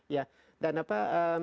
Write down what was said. ya dan apa